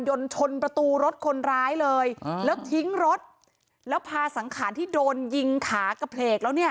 ชนประตูรถคนร้ายเลยอ่าแล้วทิ้งรถแล้วพาสังขารที่โดนยิงขากระเพลกแล้วเนี่ย